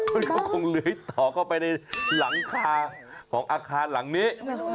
มันก็คงเลื้อยต่อเข้าไปในหลังคาของอาคารหลังนี้